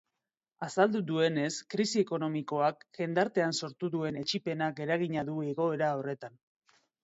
Azaldu duenez, krisi ekonomikoak jendartean sortu duen etsipenak eragina du igoera horretan.